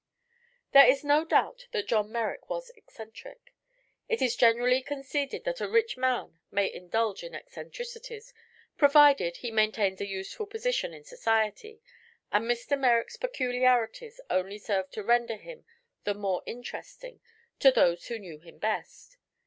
There is no doubt that John Merrick was eccentric. It is generally conceded that a rich man may indulge in eccentricities, provided he maintains a useful position in society, and Mr. Merrick's peculiarities only served to render him the more interesting to those who knew him best.